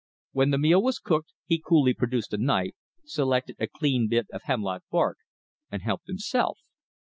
When the meal was cooked, he coolly produced a knife, selected a clean bit of hemlock bark, and helped himself.